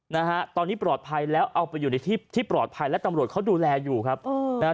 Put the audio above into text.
นะฮะตอนนี้ปลอดภัยแล้วเอาไปอยู่ในที่ที่ปลอดภัยและตำรวจเขาดูแลอยู่ครับเออนะฮะ